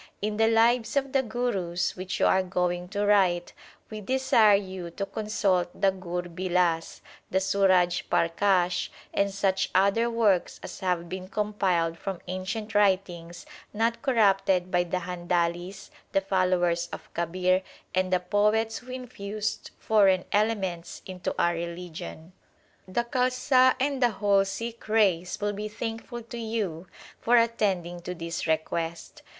In the lives of the Gurus which you are going to write, we desire you to consult the Gur Bilas, the Suraj Parkash, and such other works as have been com piled from ancient writings not corrupted by the Handalis, the followers of Kabir, and the poets who infused foreign xiv THE SIKH RELIGION elements into our religion. The Khalsa and the whole Sikh race will be thankful to you for attending to this request.